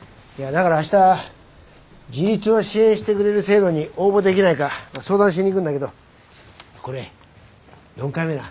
だから明日自立を支援してくれる制度に応募できないか相談しに行くんだけどこれ４回目な。